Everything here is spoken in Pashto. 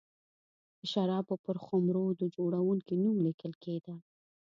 د شرابو پر خُمرو د جوړوونکي نوم لیکل کېده.